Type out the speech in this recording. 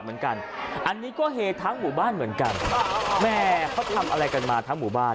เหมือนกันอันนี้ก็เฮทั้งหมู่บ้านเหมือนกันแม่เขาทำอะไรกันมาทั้งหมู่บ้าน